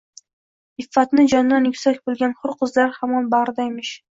Iffatni jondan yuksak bilgan hur qizlar hamon bagʼrida emish.